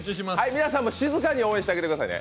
皆さんも静かに応援してくださいね。